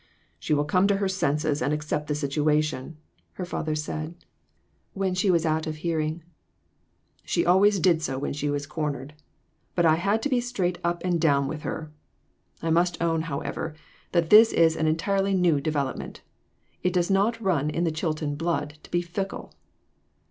"She will come to her senses and accept the situation," her father said, when she was out of A MODERN MARTYR. 383 hearing; "she always did when she was cornered, but I had to be straight up and down with her. I must own, however, that this is an entirely new development. It does not run in the Chilton blood to be fickle."